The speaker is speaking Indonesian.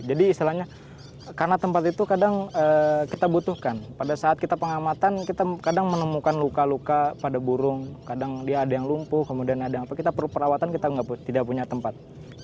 jadi istilahnya karena tempat itu kadang kita butuhkan pada saat kita pengamatan kita kadang menemukan luka luka pada burung kadang dia ada yang lumpuh kemudian ada apa kita perlu perawatan kita tidak punya tempat